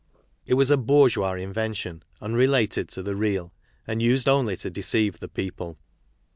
It was a bourgeois invention unrelated to the real, and used only to deceive the people.